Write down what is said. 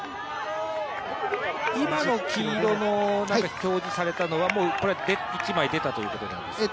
今の黄色の表示されたのは１枚出たということなんですかね？